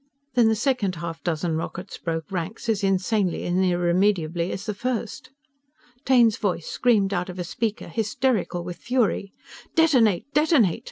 Then the second half dozen rockets broke ranks, as insanely and irremediably as the first. Taine's voice screamed out of a speaker, hysterical with fury: "_Detonate! Detonate!